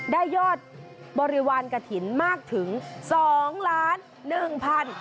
ได้ยอดบริวารกะถิ่นมากถึง๒๐๐๕๐๐บาท